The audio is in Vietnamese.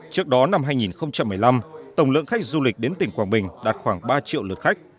trước đó năm hai nghìn một mươi năm tổng lượng khách du lịch đến tỉnh quảng bình đạt khoảng ba triệu lượt khách